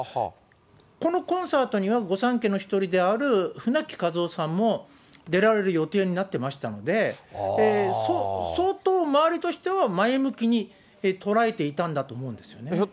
このコンサートには御三家の一人である、舟木一夫さんも出られる予定になってましたので、相当、周りとしては前向きに捉えていたんだと思うんですよね。